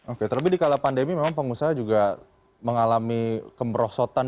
oke terlebih di kala pandemi memang pengusaha juga mengalami kemerosotan